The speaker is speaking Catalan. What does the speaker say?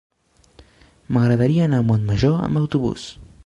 M'agradaria anar a Montmajor amb autobús.